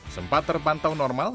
sempat terpantau normal